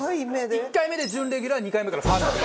１回目で準レギュラー２回目からファミリー。